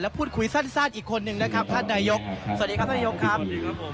แล้วพูดคุยสั้นสั้นอีกคนหนึ่งนะครับท่านนายกสวัสดีครับท่านนายกครับสวัสดีครับผม